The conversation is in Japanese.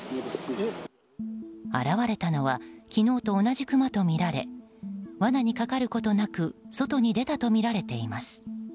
現れたのは昨日と同じクマとみられ罠にかかることなく外に出たとみられています。